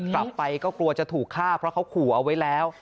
กลับไปก็กลัวจะถูกฆ่าเพราะเขาขู่เอาไว้แล้ว